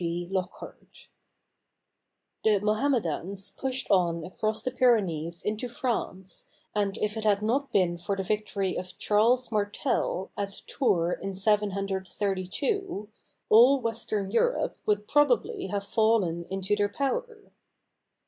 G. LOCKHART IThe Mohammedans pushed on across the Pyrenees into France, and if it had not been for the victory of Charles Martel at Tours in 732, all western Europe would probably have fallen into their power.